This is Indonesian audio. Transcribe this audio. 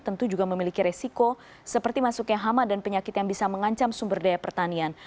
tentu juga memiliki resiko seperti masuknya hama dan penyakit yang bisa mengancam sumber daya pertanian